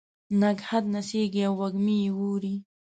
نګهت نڅیږې او وږمه یې اوري